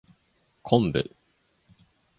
昆布